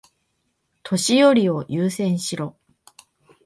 年寄りを優先しろ。